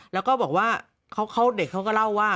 แล้วก็บอกว่าเด็กเขาก็เล่าว่า